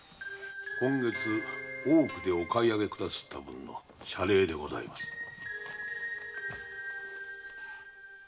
今月大奥でお買い上げくださった分の謝礼でございます。